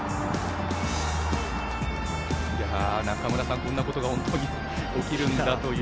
中村さん、こんなことが本当に起きるんだという。